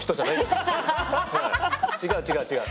違う違う違う。